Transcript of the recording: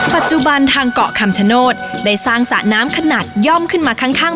ปัจจุบันทางเกาะคำชโนธได้สร้างสระน้ำขนาดย่อมขึ้นมาข้าง